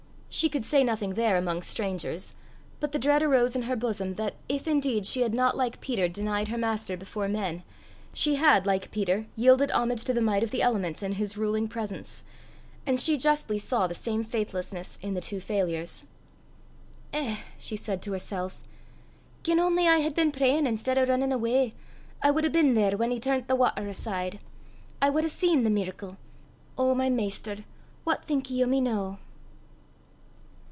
She could say nothing there amongst strangers, but the dread arose in her bosom that, if indeed she had not like Peter denied her Master before men, she had like Peter yielded homage to the might of the elements in his ruling presence; and she justly saw the same faithlessness in the two failures. "Eh!" she said to herself, "gien only I had been prayin' i'stead o' rinnin' awa, I wad hae been there whan he turnt the watter aside! I wad hae seen the mirricle! O my Maister! what think ye o' me noo?"